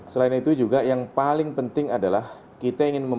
selain itu juga yang paling penting adalah kita ingin memperbaiki